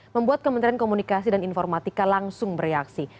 membuat kementerian komunikasi dan informatika langsung bereaksi